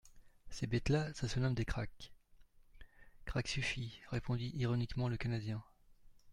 Ces bêtes-là, ça se nomme des krak … —Craque suffit, répondit ironiquement le Canadien.